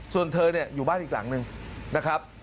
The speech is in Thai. ส่วนเธอเนี่ยอยู่บ้านอีกหลังหนึ่งนะครับ